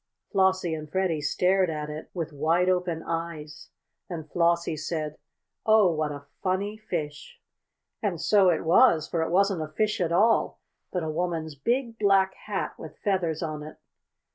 Flossie and Freddie stared at it with wide open eyes. Then Flossie said: "Oh, what a funny fish!" And so it was, for it wasn't a fish at all, but a woman's big black hat, with feathers on it.